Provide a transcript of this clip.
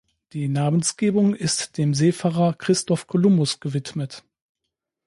Die Namensgebung ist dem Seefahrer Christoph Kolumbus gewidmet.